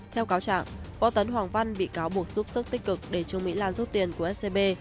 theo cáo trạng võ tấn hoàng văn bị cáo buộc giúp sức tích cực để trương mỹ lan rút tiền của scb